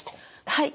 はい。